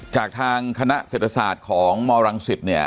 จากทางคณะเศรษฐศาสตร์ของมรังสิตเนี่ย